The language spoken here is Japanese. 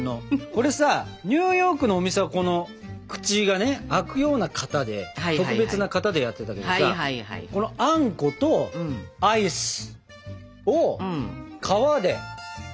これさニューヨークのお店は口が開くような型で特別な型でやってたけどさあんことアイスを皮でサンドしましょうか？